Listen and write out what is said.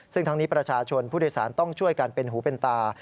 ซึ่งทั้งนี้ประชาชนผู้โดยสารต้องช่วยกันเป็นหูเป็นตา